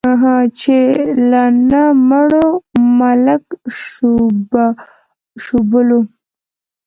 چې له نه مړو، ملک شوبلو.